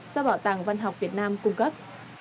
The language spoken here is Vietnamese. do bảo tàng văn học việt nam cung cấp